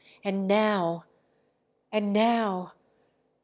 and now ... and now